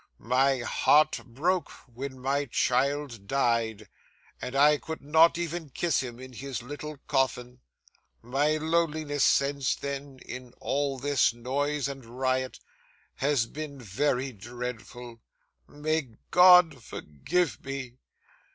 My heart broke when my child died, and I could not even kiss him in his little coffin. My loneliness since then, in all this noise and riot, has been very dreadful. May God forgive me!